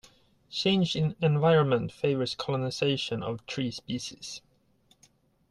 Change in environment favors colonization of tree species.